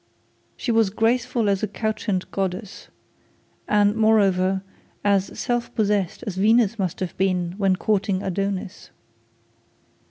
She was graceful as a couchant goddess, and, moreover, as self possessed as Venus must have been when courting Adonis.